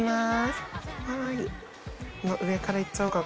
上からいっちゃおうかな。